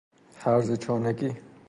هرزه چانگی